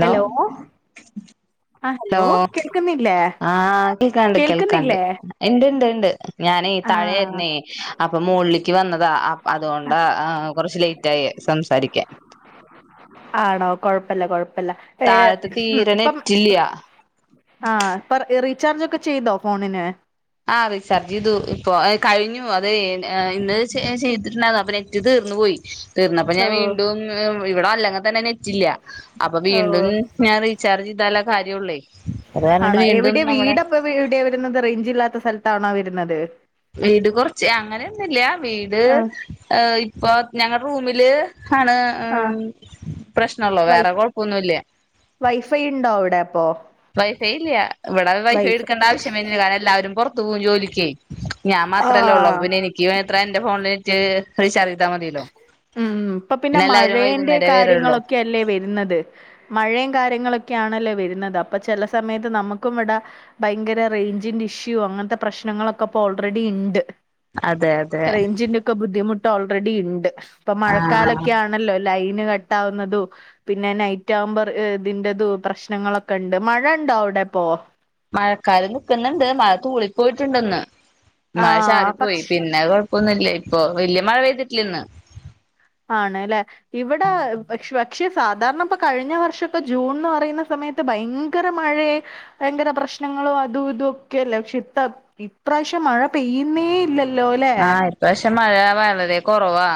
Hello ആ hello കേൾക്കുന്നില്ലേ ആഹ് കേൾക്കാണ്ട് കേൾക്കാണ്ട് കേൾക്കുന്നില്ലേ ഇണ്ട് ഇണ്ട് ഇണ്ട് ഞാനേ ആ താഴായിരുന്നേ അപ്പൊ മോളില്ക്ക് വന്നതാ അതുകൊണ്ടാ കൊറച്ച് ലേറ്റ് ആയേ സംസാരിക്കാൻ ആണോ കൊഴപ്പല്ല കൊഴപ്പ ല്ല ഏ താഴത്ത് തീരെ ഇപ്പം നെറ്റില്ല ആഹ് പ റീ ചാർജൊക്കെ ചെയ്തോ ഫോണിനെ ആ റീചാർജ് ചെയ്തു ഇപ്പൊ കഴിഞ്ഞു അത ഇന്ന് ചെയ്തിട്ടുണ്ടന്ന അപ്പൊ നെറ്റ് തീർന്നു പോയി തീർന്ന അപ്പൊ ഓ ഞാൻ വീണ്ടും ഇവിടെ അല്ലെങ്ക തന്നെ നെറ്റ് റേഞ്ച്ല്ല അപ്പൊ ഓ വീണ്ടും ഞാൻ റീചാർജ് ചെയ്താല കരയോല്ലേ ആണോ എവിടെയ വീട്പ്പവിടെ വരുന്ന റേഞ്ച് ഇല്ലാത്ത സ്ഥല ട്ടാണോ വരുന്നത് വീട് കുറച്ച് അങ്ങനെയൊന്നുംമില്ല വീട് ആ ഇപ്പൊ ഞങ്ങള റൂമില് ആണ് ആ ഉ പ്രശ്നള്ളോ വൈ വേറെ കൊഴപ്പൊന്നുംല്ല വൈഫൈ ഉണ്ടോ അവിടെ അപ്പൊ വൈഫൈ ഇല്ല ഇവിട വൈഫൈ വൈഫ എടുക്കേണ്ട ആവശ്യ വരുന്നില്ല. എല്ലാരും പുറത്തു പോകും ജോലിക്ക് ഞാൻ മാത്രമല്ലേ ഉള്ളൂ ആ അപ്പാ പിന്നെ എനിക്ക് അത്ര എന്റെ ഫോൺലേക് റീചർജ് ഉം ഇപ്പൊ പിന്നെ എല്ലാവരും മഴേന്റെ വൈകുന്നേരേ വരുള്ളൂ കാര്യങ്ങളൊക്കെ അല്ലേ വരുന്നത് മഴയും കാര്യങ്ങളൊക്കെ ആണല്ലേ വരുന്നത് അപ്പൊ ചില സമയത്ത് നമുക്കും ഇവിട ഭയങ്കര ചെല ആണല്ലോ വരുന്നത് അപ്പാ ചെല സമയത്ത് നമ്മുക്ക് എവിടാ ഭയകര റേഞ്ചിന്റെ ഇഷ്യൂ അങ്ങനത്തെ പ്രശ്നങ്ങളൊക്കെ ഇപ്പോ ഓൾറെഡിണ്ട് അതെ അതെ റേഞ്ചിന്റെ ഒക്കെ ബുദ്ധിമുട്ടു ഓൾറെഡിണ് ണ്ട് ഇപ്പൊ ആഹ് മഴക്കാലൊക്കെ ആണല്ലോ ലൈന് കട്ട് ആവുന്നതും പിന്നെ നൈറ്റ് ആവുമ്പോ ഇതിന്റെതു പ്രശ്നങ്ങളൊക്കെ ഉണ്ട് മഴ ഉണ്ടോഅവിടെപ്പോ മഴക്കാലം നിക്കുന്നുണ്ട് മഴ തൂളി പോയിട്ടുണ്ടന്ന് മഴ ആഹ് ചാറി പോയി പക്ഷെ പിന്നെ കൊഴപ്പൊന്നുംല്ല ഇപ്പൊ വല്യ മഴ പെയ്തിട്ടില്ല ഇന്ന്. ആണ്ല്ലേ ഇവിടെക്ഷ പക്ഷെ സാധാരണ ഇപ്പ കഴിഞ്ഞ വർഷൊക്കെ ജൂൺന്ന് പറയുന്ന സമയത്ത് ഭയങ്കര മഴയ ഭയങ്കര പ്രശ്നങ്ങളോ അതും ഇതുംഒക്കെല്ലേ പക്ഷെ ഇപ്രാവശ്യം മഴ പെയ്യുന്നേ ഇല്ലല്ലോ ല്ലോല്ലേ ആഹ് ഇപ്രാവശ്യം മഴ വളരെ കുറവാ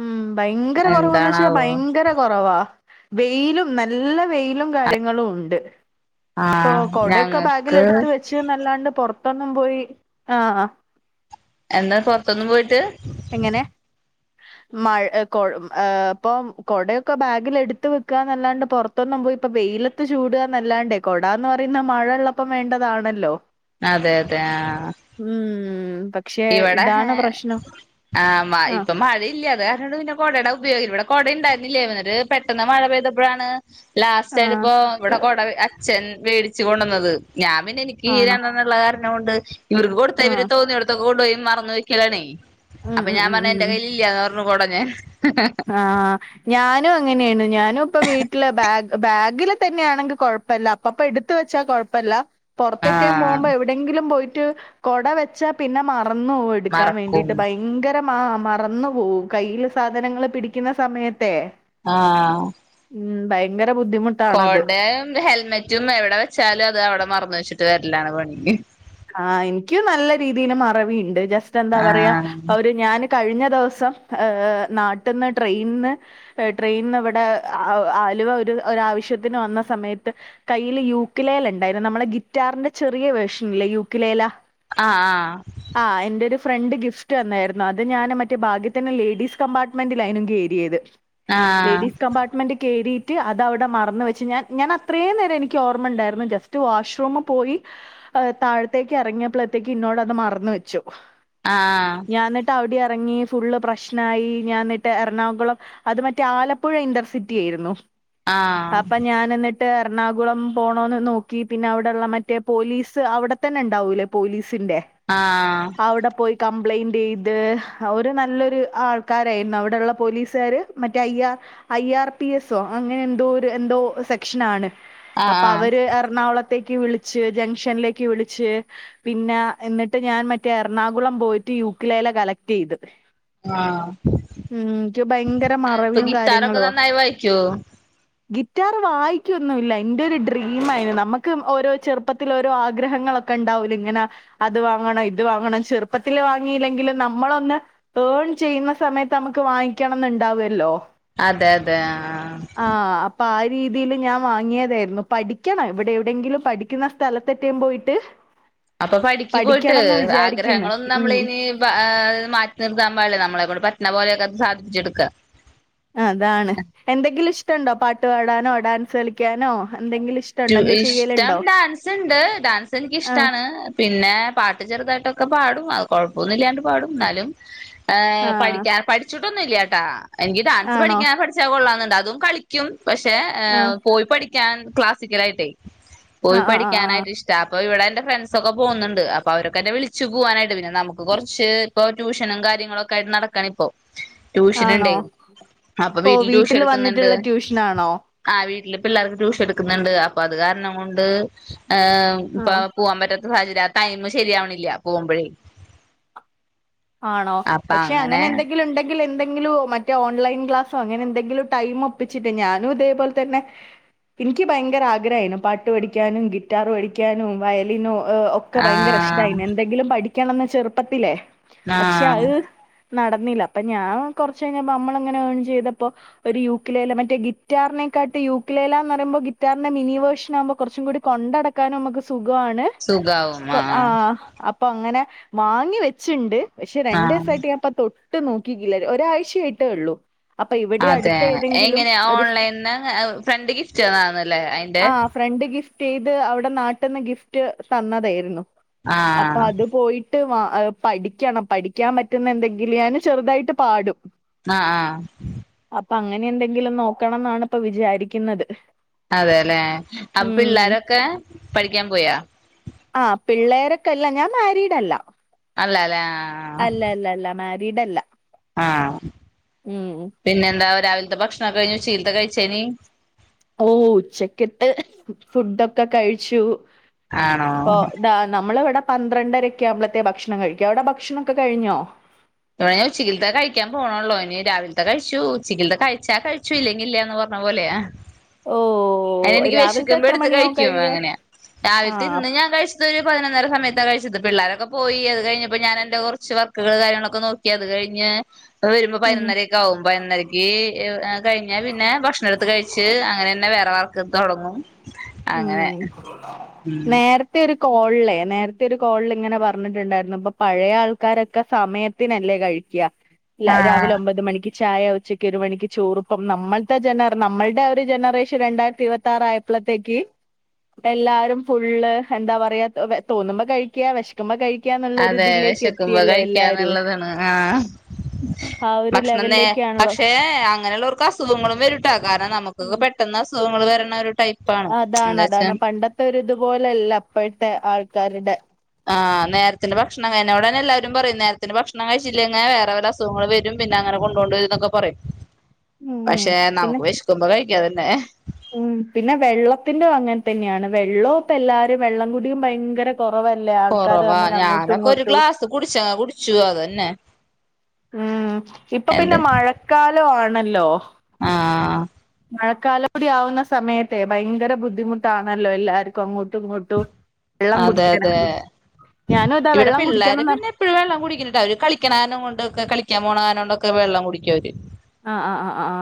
ഉം ഭയങ്കര കുറവന്ന് വെച്ചാ ഭയങ്കര കുറവാ വെയിലും നല്ല വെയിലും കാര്യങ്ങളും ഉണ്ട് ഇപ്പൊ ആഹ് കൊടയൊക്കെ ബാഗിൽ ഞങ്ങക്ക് എടുത്ത് വെച്ച് നല്ലാണ്ട് പൊറ പട്ടൊന്നും പോയി ആഹ എന്താ പുറത്തൊന്നും പോയിട്ട് എങ്ങനെ മഴ ഏ ഇപ്പം കൊടയൊക്കെ ബാഗിൽ എടുത്ത വെക്കുകന്നല്ലാണ്ട് പുറത്തൊന്നും പോയി ഇപ്പ വെയിലത്ത് ചൂടുകന്നല്ലാണ്ടേ കൊടന്ന് പറയുന്ന മഴയള്ളപ്പം വേണ്ടതാണല്ലോ അതെ അതെ ആ ഉം പക്ഷെ ഇതാണ് പ്രശ്നം ആ ആഹ് ഇപ്പം മഴ ഇല്ല അത് കാരണംണ്ട് പിന്നെ കൊടേടെ ഉപയോഗി ഇവിടെകൊട ഉണ്ടായിരു ന്നില്ലേ വേറെ പെട്ടെന്ന് മഴ പെയ്തപ്പോഴാണ് ആഹ് ലാസ്റ്റാലിപ്പോ ഇവിടെ കൊട അച്ഛൻ മേടിച് ചി കൊണ്ടണ്ണതെ ഞാൻ പിന്നെ എനിയ്ക്കീ ആണോ രണ്ടെണ്ണ ള്ളകാർ നൊണ്ട് ഇവർക്ക് കൊടുത്താ ഇവരെ ആഹ് തോന്നിയഡ് കൊണ്ടു പോയി മറന്നെ വെക്കലാ ണേ ഉം അപ്പ ഉം ഞാൻ പറഞ്ഞെന്റെ കയ്യിലില്ലന്ന് പ ന്നു കൊട ഞാൻ ആ ഞാനും അങ്ങനെയാണ് ന്നുപ്പ വീട്ടിലെ ബാഗ് ബാഗിലെ തന്നെയാണെങ്കി കൊഴപ്പി ല്ല അപ്പപ്പൊ എടുത്തു വെച്ചാ കൊഴപ്പില്ല പുറത്തോക്കേം ആഹ് പോവുമ്പം എവിടെ ങ്കിലും പോയി് റ്റു കൊട വെച്ചാ പിന്നെ മാ റന്നു പോയെടുക്കാൻ മറക്കും വേണ്ടീട്ട് ഭയങ്കര മാ മറന്നു പോകും കയ്യില് സാധനങ്ങളെ പിടിക്കുന്ന സമയത്ത് തെ ഉം ഭയങ്കര ബുദ്ധിമുട്ടാണത് കൊടെംഹെൽമെറ്റും എവിടെ വെച്ചാലും അത് അവിടെ മറന്ന് വെച്ചിട്ടെ വരാ എല്ലാണ് പണിക്ക് ആ എനിക്കും നല്ല രീതിയില് മറവി ഇണ്ട് ജസ്റ്റെന്താ പറയാ ആഹ് അവരെ ഞാനെ കഴിഞ്ഞ ദിവസം ഏ നാട്ടിന്നെ ട്രെയിന്ന് ഏ ട്രെയിനിവിടെ ആലുവ ഒരു ഒരാവശ്യത്തിന് വന്ന സമയത്ത് കയ്യിലെ യൂക്കിലേൽ ഇ ണ്ടായിരുന്നു നമ്മടെ ഗിറ്റാറിന്റെ ചെറിയ വേർഷൻ യുക്കിലേലാ ആ ആ ഫ്രണ്ട് ഗിഫ്റ്റ് തന്നായിരുന്നു അത് ഞാനെ മറ്റേ ഭാഗ്യത്തിന് ലേഡീസ് കമ്പാർട്ട്മെന്റിലായി കേറിയത് ആഹ് ലേഡീസ് കംമ്പാട്ട്മെന്റി കേറീട്ടെ അതവിടെ മറന്ന് വെച്ചു ഞാൻ ഞാൻ അത്രേം നേരം എനിക്ക് ഓർമ്മണ്ടാരുന്നു ജസ്റ്റ് വാഷ് റൂമു പോയി ഏ താഴത്തേക്കിറങ്ങിയപ്പളത്തേക്ക് ഇന്നോട് അത് മറന്ന് വെച്ചു ആഹ് ഞാൻ എന്നിട്ടവിടെയ ഇറങ്ങി ഫുള്ള് പ്രശ്നായി ഞാ എന്നിട്ട് എറണാകുളം അത് മറ്റേ ആലപ്പുഴ ഇന്റർസിറ്റിയേരുന്നു ആഹ് അപ്പം ഞാൻ എന്നിട്ട് എർണാകുളം പോണോന്ന് നോക്കി പിന്നെ അവിട്ള്ള മറ്റേ പോലീസ് സ് അവിടെത്തന്നെ ണ്ടാവൂലേ പോലീ സിന്റെ ആഹ് അവ്ടെ പോയി കംപ്ലയിന്റ്യ്ത് അവര് നല്ലൊരു ആൾക്കാരാരെര്ന്നു അവ്ടെള്ള പോലീസുകാര് മറ്റേ ഇ യാ ഐ ആർ പി എസ്സോ അങ്ങനെ എന്തോ ഒര് എന്തോ സെക്ഷനാണ് അപ്പൊ ആഹ് അവര് എർണാകുള ത്തേക്ക് വിളിച്ച് ജം ഷനിലേക്ക് വിളിച്ച് പിന്നെ എന്നിട്ട് ഞാൻ മറ്റേ എർണാകുളം പോയിട്ട് യുക്ക്‌ലേല കളക്ട് ചെയ്ത് ആഹ് ഉം എനിക്ക് ഭയങ്കര അപ്പ മറവിയും ഗിത്താറൊക്കെ കാര്യങ്ങളുവാ നന്നായി വയിക്കോ ഗിറ്റാർ വായിക്കൊന്നുഇല്ല ഇന്റെ ഒരു ഡ്രീം ആയിര്ന്ന് നമ്മക്ക് ഓരോ ചെറുപ്പ ത്തിലൊരൊ ആഗ്രഹങ്ങളൊക്കെ ണ്ടാവൂലെ ഇങ്ങനെ അത് വാങ്ങണം ഇത് വാങ്ങണം ചെറുപ്പത്തില് വാങ്ങിയില്ലെങ്കിലും നമ്മളൊന്ന് ഏൺ ചെയ്യുന്ന സമയത്ത് നമ്മക്ക് വാങ്ങിക്കണംന്ന് ണ്ടാവ് ല്ലൊ അതെ അതെ ആ രീതില് ഞാൻ വാങ്ങിയതാരുന്നു പഠിക്കണം ഇവിടെ എവിടെയെങ്കിലും പഠിക്കുന്ന സ്ഥലത്തെറ്റം പോയിട്ട് അപ്പൊ പഠിക്ക് പോയിട്ട് പഠിക്കണംന്ന് വിചാരിക്കുന്നു ആഗ്രഹങ്ങളൊന്നും ഉം നമ്മളിനി ബ മാറ്റി നിർത്താൻ പാടില്ല നമ്മളെണ്ട് പ എന്ന പോലെയൊക്കെ അത് സാധിച്ചെടുക്ക അതാണ് എന്തെങ്കിലും ഇഷ് ഇഷ്ട്ട്ണ്ടൊ പാട്ട് പാടാനോ ഡാൻസ് കളിക്കാനോ എന്തെങ്കിലും ഇഷ്ടണ്ടോ എന്താ ഇഷ്ട്ടം ചെയ്യലുണ്ടോ ഡാൻസ് ഇണ്ട് ഡാൻസ് എനിക്ക്‌ ആഹ് ഇഷ്ട്ടാണ് പിന്നെ പാട്ട് ചെറുതായിട്ടൊക്കെ പാടും അത് കൊഴപ്പൊന്നും ഇല്ലാണ്ട് പാടും ന്നാലും ഏ ആഹ് പഠിക്കാ പഠിച്ചിട്ടൊന്നുംഇല്ല്യാ ട്ട എനിക്ക് ഡാൻസ് ആണോ പഠിക്കാൻ പഠിച്ചാ കൊള്ളാന്ന് ദതും കളിക്കും പഷേ ആഹ് പോയി പഠി ക്ക്യാൻ ക്ല സിക്കലായിട്ടെ പോയി ആഹ് ആഹ് ആഹ് ആഹ് പഠിക്കാനായിട്ട് ഇഷ്ട്ടാ അപ്പൊ ഇവിടെ എന്റെ ഫ്രണ്ട്സ് ഒക്കെ പോന്ന്ണ്ട് അപ്പൊ അവരൊക്കെ വിളിച്ചു പൂവാനായിട്ട് പിന്നെ നമുക്ക് കൊറച്ച് ഇപ്പോ റ്റുഷനും കാര്യങ്ങളൊക്കെ ആയിട്ട് നടക്കാണ് ഇപ്പോ റ്റുഷൻ ആണോ ഇണ്ടെ അപ്പൊ ഓ വീട്ടില് റ്റുഷൻ വീട്ടിൽ എടുക്ക്‌ന്ന്ണ്ട് വന്നിട്ടുള്ള ട്യൂഷനാണോ ആ വീട്ടില് പിള്ളാർക്ക് റ്റുഷ നിക്ക്‌ന്ന്ണ്ട് അപ്പൊ അത് കാരണം കൊണ്ട് ഹ് ഇപ്പ ആഹ് പോവാൻ പറ്റ സുഹാജ് രാ തൈമ് ശരിയാവണില്ല പോവുമ്പഴേ ആണോ പക്ഷെ അങ്ങനെ എന്തെങ്കിലും ഉണ്ടെങ്കിൽ എന്ത മറ്റേ ഓൺലൈൻ ക്ലാസോ അങ്ങനെ എന്തെങ്കിലും ടൈ ഒപ്പിച്ചിട്ട് ഞാനും ഇതേപോലെ തന്നെ എനിക്ക് ഭയങ്കര ആഗ്രഹമായിരുന്നു പാട്ട് പടിക്കാനും ഗിറ്റാർ പടിക്കാനും വയലിനോ ഒ ഒക്കെ ഭയങ്കര ആഹ് ഇഷ്ടമായിന് എന്തെങ്കിലും പഠിക്ക ിക്കണംന്ന് ചെറുപ്പത്തില്ലേ പക്ഷേ ആഹ് അഹ് നടന്നില്ല അപ്പൊ ഞാൻ കുറച്ച് കഴിഞ്ഞപ്പോ നമ്മളങ്ങനെ േൺ ചെയ്തപ്പോ ഒരു യൂക്കിലേല മറ്റേ ഗിറ്റാറിനെക്കാട്ട് യൂക്കിലേലന്ന് പറയുമ്പോ ഗിറ്റാറിന്റെ മിനി വേർഷൻ ആകുമ്പോ കുറച്ചും കൂടി കൊണ്ടടക്കാനും നമുക്ക് സുഖാണ് സുഖാവും കൊ ആ ആഹ് അപ്പൊ അങ്ങനെ വാങ്ങി വെ ചുണ്ട്് പക്ഷെ രണ്ടേ ആഹ് സായിട്ടി ഞപ്പ തൊട്ട് ഇട്ട് നോക്കില്ല ഒരാഴ്ചയ ആയിട്ടേ ഉള്ളൂ അപ്പൊ ഇവിടെ അതെ അടുത്ത ഏതെങ്കിലും എങ്ങനെയാ ഓൺലൈൻ ഫ്രണ്ട് ഗിഫ്റ്റ് തന്നന്നല്ലേ അയിന്റെ സ്റ്റേ ചെയ്ത് അവിടെ നാട്ടിൽന്ന് ഗിഫ്റ്റ് തന്നതായിരുന്നു അപ്പൊ ആഹ് അത് പോയി ട്ട് വാ എ പഠിക്കണം പഠിക്കാൻ പറ്റുന്ന എന്തെങ്കിലും ഞാന് ചെറുതായിട്ട് പാടും ആ ആ അപ്പൊ അങ്ങനെ എന്തെങ്കിലും നോക്കണം എന്നാണ് ഇപ്പ വിചാരിക്കുന്നത് അതെല്ലെ അപ്പൊ ഉം പിള്ളാരൊക്കെ പഠിക്കാൻ പോയോ ആ പിള്ളേരൊക്കെ ഞാൻ മാരീഡല്ല അല്ല അല്ലേ അല്ല അല്ല അല്ല മാ വീടല്ല ആ പിന്നെ എന്താ രാവിലത്തെ ഭക്ഷണം കഴിഞ്ഞു ഉച്ചീയിലത്തെ കഴിച്ചീനി ഓ ഉച്ചക്കട്ട് ഫുഡൊക്കെ കഴിച്ചു ഇപ്പൊ ആണോ ദാ നമ്മള ഇവിടെ പന്ത്രണ്ടരക്ക ആവുമ്പഴത്തെ ഭക്ഷണം കഴിക്ക അവിടെ ഭക്ഷണഒക്കെ കഴിഞ്ഞോ ഇവിടെ ഇ കഴിച്ചു ഉച്ചിക്ക കഴിച്ചാ കഴിച്ചു ഇല്ലെങ്കി ഇല്ലന്ന് പറഞ്ഞ പോലെ ഓ അത് എനിക്ക് രാവിലത്തെ വിശിക്കുമ്പോ എത്ര എടുത്ത് മണിയാവും കഴിക്കും കഴിയാൻ അങ്ങനെ ആ രാവിലത്തെ ഇന്ന് ഞാൻ കഴിച്ചതു ഒരു പതിനൊന്നര സയാണ് കഴിച്ചത് പിള്ളാരൊക്കെ പോയി അത് കഴിഞ്ഞപ്പോ ഞാൻ എന്റെ കുറച്ച് വർക്കുകൾ കാര്യങ്ങളൊക്കെ ക്കെ നോക്കി അത് കഴിഞ്ഞഞ് അ വരുമ്പോ ഉം പതിനൊന്നര ഒക്കെ ആകും പതിനൊരക്ക് ക കഴിഞാൽ പിന്നെ ഭക്ഷണം എടുത്ത് കഴിച്ചച്ച് അങ്ങനെ തന്നെ വേറെ വർക്ക് തുടങ്ങും ഉം അങ്ങനെ ഉ കോള്ല് നേരത്തെ ഒരു കോള് ഇങ്ങനെ പറഞ്ഞിട്ടുണ്ടായിരുന്നു ഇപ്പ പഴയ ആൾക്കാരൊക്കെ സമയത്തിനല്ലേ കഴിക്കാ രാവിലെ ആഹ് ഒമ്പത് മണിക്ക് ചായ ഉച്ചക്ക് ഒരു മണിക്ക് ചോറും അപ്പം നമ്മളത്തെ ജന നമ്മളുടെ ഒരു ജനറേഷൻ രണ്ടായിരത്തി ഇരുപത്തിയാറാ യപ്പോഴത്തേക്ക് എല്ലാരും ഫുള്ള് എന്താ പറയാ തോന്നുമ്പോ കഴിക്ക വിശക്കുമ്പോ കഴി അതെ വിശക്കുമ്പോ കഴിക്കാന്നുള്ളതാണ്. ആ ആ ഒരു ഭക്ഷണം നേ ലെവലിലേക്കാണല്ലോ പക്ഷേ അങ്ങനെയുള്ളവർക്ക് അസു സുഖങ്ങളും വരൂട്ടേ കാരണം ഇവക് ഉം പെട്ടെന്ന് അസുഖ ങ്ങള് വരണ ഒരു ടൈപ്പാണ് അതാണ് എന്താ വെച്ചാ അതാണ് പണ്ടത്തെ ഒരു ഇതുപോലല്ല അപ്പോഴത്തെ ആൾ ക്കാരുടെ ആ നേരത്തിൻ്റെ ഭക്ഷണം കഴിഞ്ഞോടനെ എല്ലാവാരും പറയും നേരത്തിന്റെ ഭക്ഷണം കഴിച്ചില്ലെങ്ങേ വേറെ വെല്ല അസുഖങ്ങൾ വരും. പിന്നെ അങ്ങനെ കൊണ്ടോണ്ട വരുംന്നൊക്കെ പറയും. ഉം പക്ഷെ പിന്നെ നമുക്ക് വിശിക്കുമ്പോ കഴി ക്ക അതന്നെ ഉം പിന്നെ വെള്ളത്തിന്റെ അങ്ങനെ തന്നെയാണ്. വെള്ളോം ഇപ്പ എല്ലാരും വെള്ളംകൂടിയും ഭയങ്കര കുറവല്ലേ ആൾക്കാര് കൊറവാ. തമ്മിൽ അങ്ങോട്ടും ഞാനൊക്കെ ഒരു ഇങ്ങോട്ടും ഗ്ലാസ് കുടിച്ചാ കുടിച്ചു അതന്നെ. ഉം ഇപ്പൊ പിന്നെ എന്ത് മഴക്കാലോ ആ ണല്ലോ. ആ മഴക്കാലം കൂടി ആവുന്ന സമയത്തെ ഭയങ്കര ബുദ്ധിമുട്ടാണല്ലോ എല്ലാർക്കും അങ്ങോട്ടും ഇങ്ങോട്ടും. വെള്ളം അതെ അതെ. കുടിക്കാനൊക്കെ ഞാനും ഇതാ ഇവിടെ വെള്ളം പിള്ളേര് കുടിക്കണം പിന്നെ എപ്പഴും വെള്ളം കുടിക്കണ്ടട്ടാ. അവര് കളിക്കണ കാരണം കൊണ്ടൊക്കെ കളി ക്കാൻ പോണാ കാരണോണ്ടൊക്കെ വെള്ളം കുടിക്കവര്. ആഹ് ആഹ് ആഹ് ആഹ്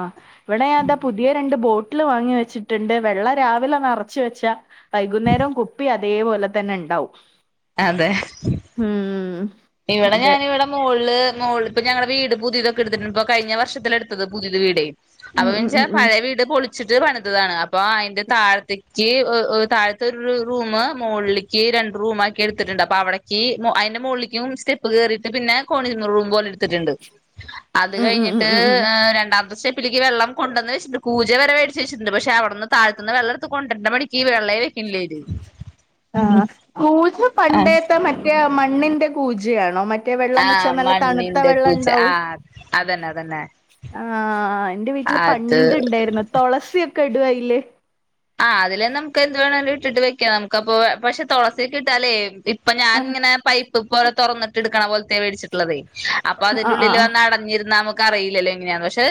വീട്ടില് വാങ്ങി വെച്ചിട്ടുണ്ട്. വെള്ളം രാവിലെ നിറച്ച് വെച്ചാ വൈകുന്നേരം കുപ്പി അതേപോലെ തന്നെ ഉണ്ടാവും. അതെ. ഉം ഇവിടെ അതെ ഞാനിവിടെ മോളില് മോളില് ഇപ്പൊ ഞങ്ങടെ വീട് പുതിയതൊക്കെ എടുത്തിട്ടുണ്ട്. ഇപ്പൊ കഴിഞ്ഞ വർഷത്തില് എടുത്തത് പുതിയത് വീടേ. അപ്പൊ ഉം ഉം പിന്നെച്ചാ ഉം ഉം പഴയ വീട് പൊളി ച്ചിട്ട് പണിതതാണ് അ പ്പ അയിന്റെ താഴത്തേ ക്ക് ഒ ഒ താഴത്ത് ഒരുരു റൂമ് മുകളിലേക്ക് രണ്ട് റൂമാക്കി എടുത്തിട്ടുണ്ട്. അപ്പൊ അവിടക്ക് മോ അയിന്റെ മുകളിലേ ക്കുംസ്റ്റെപ്പ് കേറീട്ട് പിന്നെ കോണിങ്ങ് റൂമു പോൽ എടു ത്തിട്ടുണ്ട്. അത് ഉം ഉം ഉം കഴിഞ്ഞിട്ട് ഉം ഉം രണ്ടാമത്തെ സ്റ്റെ പ്പിലേക്ക് വെള്ളം കൊണ്ടന്നുവച്ചിട്ടുണ്ട്. കൂജ വരെ വേടിച്ചു വച്ചിട്ടുട്ട്. പക്ഷെ അവിടുന്ന് താഴത്തുന്ന് വെള്ളെടുത്ത് കൊണ്ടരണ്ട മടിക്ക് വെള്ളെലെ ആ കൂജ ആഹ് പണ്ടേത്ത മറ്റേ ആ മണ്ണിന്റെ കൂജയാണോ മറ്റ് റ്റേ വെള്ളം വെച്ചാ ആഹ് നല്ല തണുത്ത മണ്ണിന്റെ വെള്ളം കൂജ ഉണ്ടാവും. ആഹ് അതന്നെ അതന്നെ ആ എന്റെ വീട്ടില് അത് പണ്ടിണ്ടായിരുന്നു. തുളസിയൊ കെടുവായില്ലേ? ആഹ് അതിലേ നമുക്ക് എന്ത് വേണിലും ഇട്ടിട്ട് വെക്കാം നമുക്ക്പ്പൊ പക്ഷെ തുളസിക്കെ ഇട്ടാലേ ഇപ്പൊ ഞാൻ ആഹ് ഇങ്ങനെ പൈ ഉതു പോലെ തുറന്നിട്ട്ടുക്കണ പോലത്തെേടിച്ചിട്ടത്േ അപ്പൊ അതിന്റെ ആഹ് ഉള്ളിൽ ആഹ് വന്ന് അടഞ്ഞിരുന്ന നമക്ക് അറിയില്ലലോ എങ്ങനെയന്ന് പക്ഷെ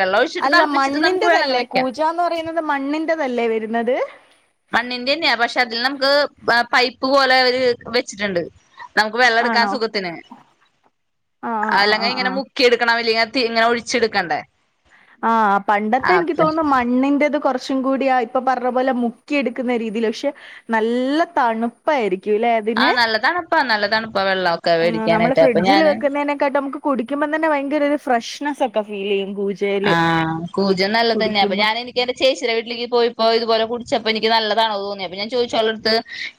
വെള്ളം ഒഴിച്ചിട്ട് അല്ല തിളപ്പിച്ചിട്ട് നമുക്ക് വേണങ്ങ് മണ്ണിൻന്റെതല്ലേ വെക്കാം പൂജന്ന് പറയുന്നത് മണ്ണിന്റെതല്ലേ എന്നത് മണ്ണിന്റെ തന്നെയാ പക്ഷെ അതില് നമുക്ക് പൈപ്പ് പോലെ അവര് വെച്ചിട്ടുണ്ട് നമുക്ക് വെള്ളം എടുക്കാൻ ആണോ സുഖത്തിന് ആഹ് ആഹ് ആഹ് അല്ലെങ്കിൽ ആഹ് ഇങ്ങനെ ആഹ് മുക്കി എടുക്കണംല്ലെങ്ക ഇങ്ങനെ ഒഴിച്ചെടുക്കണ്ടേ ആഹ പണ്ടത്തെ എനിക്ക് അപ്പൊ തോന്നുന്നു മണ്ണിന്റത് കുറച്ച് ച്ചും കൂടി ഇപ്പൊ പറഞ്ഞ പോലെ മുക്കിയ എടുക്കുന്ന രീതിയിൽ പക്ഷെ നല്ല ആ തണുപ്പായിരിക്കും നല്ല തണുപ്പാ നല്ല തണുപ്പാ വെള്ളമൊക്കെ നമ്മള് മേടിക്കാനായിട്ട് അപ്പൊ ഫ്രിഡ്ജിൽ ഞാന് വെക്കുന്നതിനെക്കാട്ട നമ കുടിക്കുമ്പ തെ ഭയകരയൊരു ഫ്രഷ് െ ഫീ ചെയ ആഹ് കൂജം നല്ലതന്നെയ അപ്പൊ ഞാൻ എനിക്ക് എന്റെ ചേിയുടെ വീട്ടിലേക്ക് പോയിപ്പോ ഇതുപോലെ കുടിച്ചപ്പോ എനിക്ക് നല്ലതാണോ തോന്നിയപ്പ അ ഞാൻോദിച്ചളർത്ത്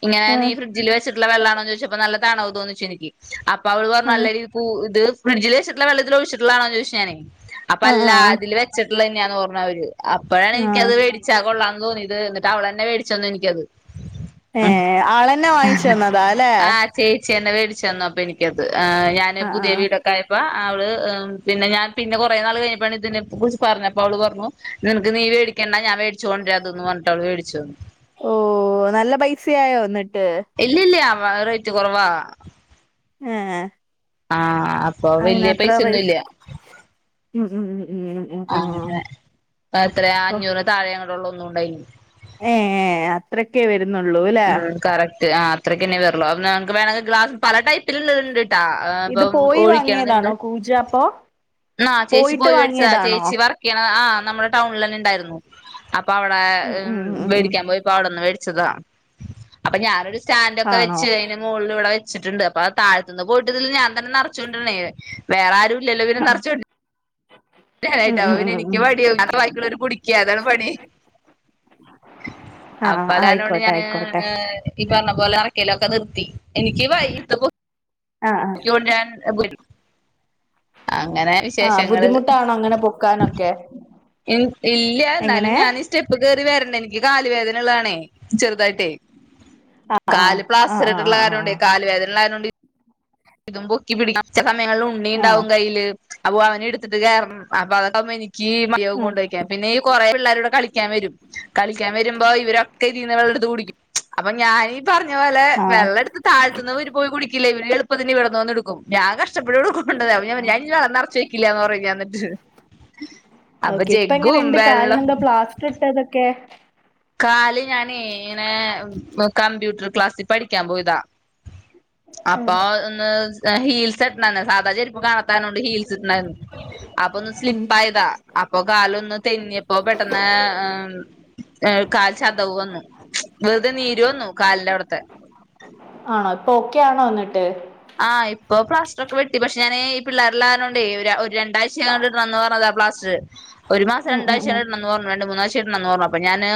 ഇങ്ങനെ നീ ആഹ് ഫ്രഡ്ജിൽ വെച്ചട്ട് വെള്ളാണോ ചോിച്ചപ്പ നല്ലതണോ തോന്നിച്ച എനിക്ക് അപ്പ അവവിൾർ ആഹ് നല്ല രീതി പ ഇത് ഫ്രഡ്ജിൽ വെിട്ടുള്ള വള്ളൽ ഒഴിച്ചിട്ടതണോ ചോദിച്ച ഞാനെ അല്ല ആഹ് ആഹ് അതില് വെച്ചിട്ടുള്ള തന്നെയാന്ന്ഓഞ്ഞ അ അവര് അപ്പോഴാണ് എനിക്കത് ആഹ് മേടിച്ചാ കൊള്ളാന്ന് തോന്നിയത് അവള തന്നെ മേടിച്ചന്നു എനിക്കത് ഏ ഉം ആളെന്നെ വാങ്ങിച്ച തന്നതാ അല്ലേ െന്നാപ്പപ്പോ എിക്കത് ആ ഞാന പുതിയ വീടൊക്കെയപ്പോൾ അവള് പിന്നെ ഞാൻ പിന്നെ കുറേ നാൾ കഴിഞ്ഞ പണിതിനെ കുറിച്ച് പറഞ്ഞപ്പപ്പോ അവള് പറഞ്ഞു നിനക്ക് നീേടിക്കണ്ട ഞാൻേടിച്ചോണ്ടേ അതൊന്ന് പറഞ്ഞട്ട് അവള് മേടിച്ചു ഓ നല്ല പൈസയായോ വന്നിട്ട് ഇല്ല ഇല്ലയ വളരെ റേറ്റ് കുറവാ ആഹ ആഹ അപ്പൊ വലിയ പൈസയൊന്നുമില്ല ഉം ഉം ഉം ഉം ഉം ഉം അെ എത്രയാ അഞ്ഞൂറ് താഴേയ ള്ള ഒന്നും ഉണ്ടായി ഏ ഏ അത്രക്കെ വരു ന്നുള്ളൂ ലെ അ അത്രക്കന്ന വെറുള്ളുവേമെിൽ ഗ്ാസ് പലടപ്പ് വട്ടിലണ്ട്ട്ടാ അപ്പ ഇത് പോയി ഓയിക്കണത്ണ്ട് വാങ്ങിയതാണോ കൂജ അപ്പൊ ആ ചേച്ചി പോയിട്ട് പോയി മേടിച്ചതാ വാങ്ങിയതാണോ ചേച്ചി വർക്ക് ചെയ്യ ആ നമ്മുടെ ടൗണ തന്നെ ഉണ്ടായിരുന്നു അപ്പ അവിടെ ഉം ഉം ഉം ഉം ഉം മേടിക്കാൻ പോയിപ്പോ അവിടെ ച്ചതാ അപ്പൊ ഞാനരുസ് സ്റ്റാൻ് ഒക്കെ ആണോ വെച്ച് അതിന് മോൾല് വെച്ചിട്ടുണ്ട് അപ്പ താഴത്തു നിന്ന് കൂടുതൽ ഞാൻ തന്നെ നറച്ചുണ്ട രണെ വേറാരു ആഹ് നിറച്ചോണ്ട് ഉം ട്ടാ ഉം പിന്നെ ഉം എനിക്ക് ഉം പണിയ അത്തെ വായിക്കുള്ള ഒരു കുടിക്ക അതാണ് പണി അപ്പ ആഹ് അതാനോണ്ട് ആയിക്കോട്ടെ ഞാന് ആയിക്കോട്ടെ ഈ പറഞ്ഞ പോലെ ലൊക്കെ നിർത്തി എനിക്ക് വൈ ക ആഹ് ആഹ് ഞൻ [unintelligible] അങ്ങനെ ആഹ് വിശേഷങ്ങള് ബുദ്ധിമുട്ടാണോ അങ്ങനെ പൊക്കാനൊക്കെ ഇല്ല എന്നാലും എങ്ങനെ ഞാൻ സ്റ്റെപ്പ് കേറി വരണ്ടേ എനിക്ക് കാലുവേദനള്ളതാണേ ചെറുതായിട്ട് ആഹ് കാല് ആഹ് ആഹ് പാസ്റ്ററിട്ടുള്ള ആഹ് കാര്യമുണ്ട് ആഹ് കാല വേദന ഉണ്ടായോണ്ട് ഇതും പൊക്കി പിടിക്ക [unintelligible] ഉണ്ണി ആഹ് ഉണ്ടാവും കയ്യില് അപ്പൊ അവനെടുത്തിട്ട് കേറണം അപ്പൊ അതൊക്കമ്മനി ഈ മയോം കൊണ്ട് വയ്ക്കാം പിന്നെ ഈ കൊറെേ പിള്ളേരൂടെ കളിക്കാൻ വരും കളിക്കാൻ വരുമ്പോ ഇവരൊക്കെ ഇതീന്ന് വെള്ളട്ത്ത്കുടിക്കും അപ്പൊ ഞായി പറഞ്ഞ പോലെ ആഹ് വെള്ളടുത്ത് താഴത്ത്ന്നവര് പോയി കുടിക്കില്ലേ ഇവന് പ്പതിന് വ്ടന്ന് വന്ന്ടുക്കും ഞ്ഞാകഷ് [unintelligible] കൊണ്ടതഅപ്പ ഞാൻ പറഞ്ഞ് ഞാൻ ഇനി വെള്ളം നിറച്ച് വെക്കില്ലന്ന് പറന്നിട്ട് അപ്പൊ ഓക്കെ ഇപ്പ ജഗ്ഗും എങ്ങനെണ്ട് വെള്ളം കാലിനെന്തോ പ്ലാസ്റ്റർ ഇട്ടതൊക്കെ കാല് ഞാൻ നേണ് കമ്പ്യൂട് ടർ ക്ലാസ്സിൽ പഠിക്കാൻ പോയതാ അപ്പൊ ഒന്ന് ഹീൽസ് [unintelligible] സർ പ്പൊ ചെരിപ്പ് കണത്താരണം കൊണ്ട് ഹീൽസ്ട്ട്ണ്ടായിരുന്നു അപ്പൊ ഒന്ന് സ്ലിപ്പായതാ അപ്പൊ കാലൊന്ന് തെന്നിയപ്പോ പെട്ടെന്ന് ഹ് കാൽ ചതവ് വന്നു വെറുതെ നീര് വന്നു കാലിന്റെ അവിടത്തെ ആണോ ഇപ്പ ഒക്കെ ആണോ ന്നിട്ട് ആ ഇപ്പോ പ്ലാസ്റ്ററൊക്കെ വെട്ടി, പക്ഷേ ഞാൻ ഈ പിള്ളേര്ള്ള കാരണംണ്ടേ ഒ രണ്ടാഴ്ച ഇടണം എന്ന് പറഞ്ഞതാ പ്ലാസ്റ്റർ. ഒരു മാസം ഉം ഉം രണ്ടാഴ്ച ഉം ഇടണം ന്ന് പറഞ്ഞു രണ്ട് മൂന്നാഴ്ച ഇടണം എന്ന് പറഞ്ഞു അപ്പ ഞാന്